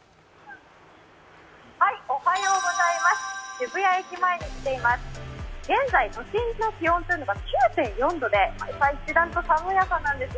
おはようございます。